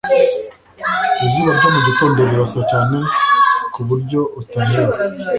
Izuba ryo mu gitondo rirasa cyane ku buryo utareba.